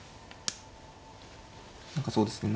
何かそうですね。